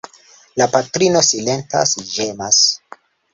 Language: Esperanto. La patrino silentas, ĝemas.